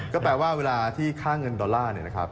ก็แปลว่าเวลาที่ค่าเงินดอลลาร์